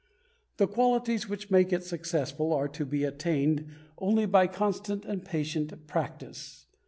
The qualities which make it successful are to be attained only by constant and patient practice.